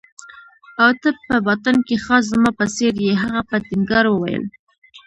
او ته په باطن کې خاص زما په څېر يې. هغه په ټینګار وویل.